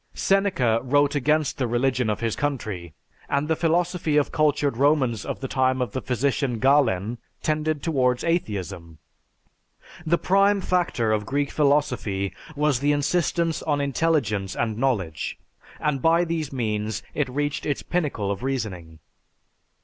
Seneca wrote against the religion of his country, and the philosophy of cultured Romans of the time of the physician Galen tended towards atheism. The prime factor of Greek philosophy was the insistence on intelligence and knowledge, and by these means it reached its pinnacle of reasoning.